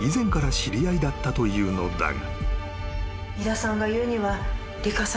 知り合いだったというのだが］